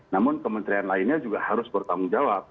namun kementerian lainnya juga harus bertanggung jawab